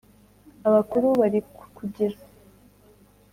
abakuru bari kukugira